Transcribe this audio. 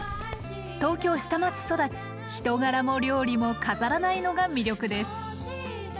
東京下町育ち人柄も料理も飾らないのが魅力です。